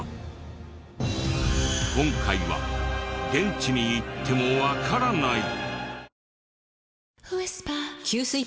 今回は現地に行ってもわからない。